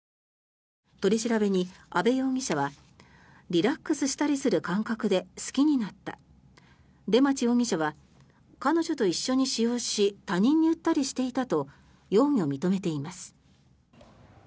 取り調べに安部容疑者はリラックスしたりする感覚で好きになった出町容疑者は彼女と一緒に使用し他人に売ったりしていたと容疑を認めています。